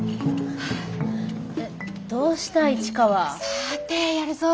さてやるぞ。